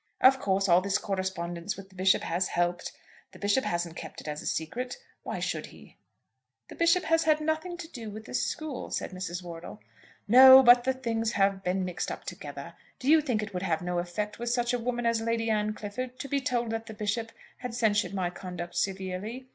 Of course all this correspondence with the Bishop has helped. The Bishop hasn't kept it as a secret. Why should he?" "The Bishop has had nothing to do with the school," said Mrs. Wortle. "No; but the things have been mixed up together. Do you think it would have no effect with such a woman as Lady Anne Clifford, to be told that the Bishop had censured my conduct severely?